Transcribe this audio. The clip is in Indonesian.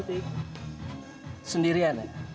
ikut mengatur kondisi orang orang ini